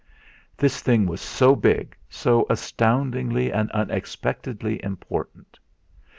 This thing was so big, so astoundingly and unexpectedly important.